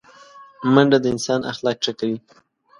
منډه د انسان اخلاق ښه کوي